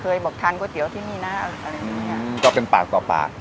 บอกทานก๋วยเตี๋ยวที่นี่นะอะไรอย่างเงี้ยก็เป็นปากต่อปาก